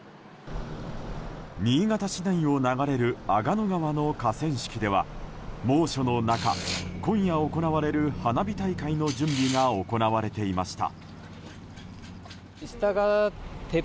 新潟市内を流れる阿賀野川の河川敷では猛暑の中今夜行われる花火大会の準備が行われていました。